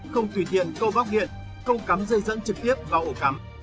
không tùy tiện câu bóc điện câu cắm dây dẫn trực tiếp vào ổ cắm